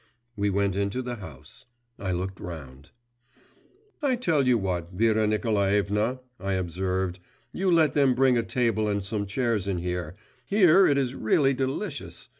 We went into the house. I looked round. 'I tell you what, Vera Nikolaevna,' I observed, 'you let them bring a table and some chairs in here. Here it is really delicious.